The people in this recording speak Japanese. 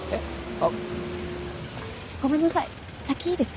ごめんなさい先いいですか？